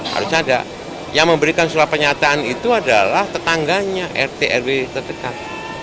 harusnya ada yang memberikan surat pernyataan itu adalah tetangganya rt rw terdekat